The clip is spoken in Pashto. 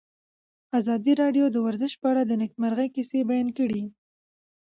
ازادي راډیو د ورزش په اړه د نېکمرغۍ کیسې بیان کړې.